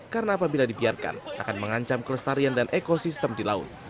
karena apabila dibiarkan akan mengancam kelestarian dan ekosistem di laut